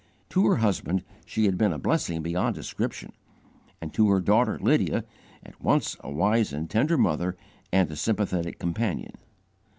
To her husband she had been a blessing beyond description, and to her daughter Lydia, at once a wise and tender mother and a sympathetic companion.